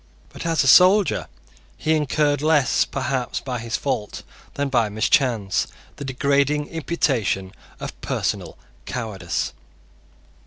But as a soldier he incurred, less perhaps by his fault than by mischance, the degrading imputation of personal cowardice.